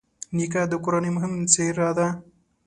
نیکه د کورنۍ مهمه څېره ده.